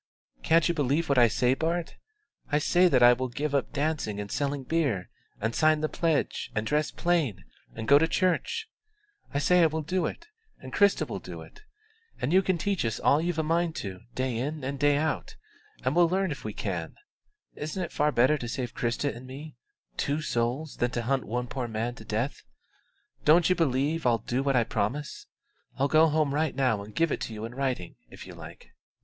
"Can't you believe what I say, Bart? I say that I will give up dancing and selling beer, and sign the pledge, and dress plain, and go to church. I say I will do it and Christa will do it; and you can teach us all you've a mind to, day in and day out, and we'll learn if we can. Isn't it far better to save Christa and me two souls, than to hunt one poor man to death? Don't you believe that I'll do what I promise? I'll go right home now and give it to you in writing, if you like."